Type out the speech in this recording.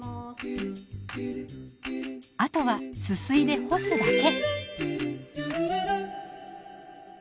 あとはすすいで干すだけ。